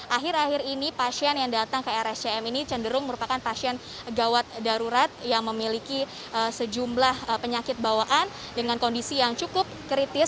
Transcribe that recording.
akhir akhir ini pasien yang datang ke rscm ini cenderung merupakan pasien gawat darurat yang memiliki sejumlah penyakit bawaan dengan kondisi yang cukup kritis